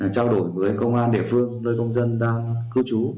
trao đổi với công an địa phương nơi công dân đang cư trú